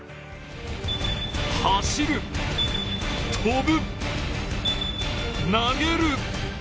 走る、跳ぶ、投げる。